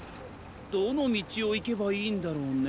どのみちをいけばいいんだろうね？